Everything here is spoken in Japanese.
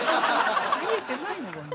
見えてないのかな？